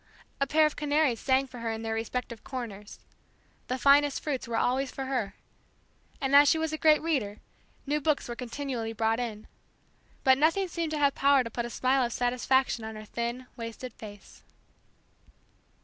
A pair of canaries sang for her in their respective corners; the finest fruits were always for her; and as she was a great reader, new books were continually brought in; but nothing seemed to have power to put a smile of satisfaction on her thin, wasted face.